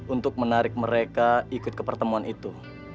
untuk menarik mereka ikut ke pertemuan itu